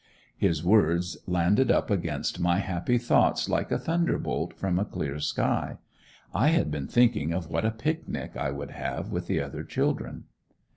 His words landed up against my happy thoughts like a thunderbolt from a clear sky. I had been thinking of what a picnic I would have with the other children.